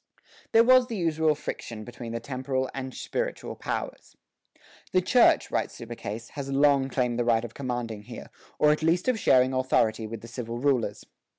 " There was the usual friction between the temporal and the spiritual powers. "The Church," writes Subercase, "has long claimed the right of commanding here, or at least of sharing authority with the civil rulers."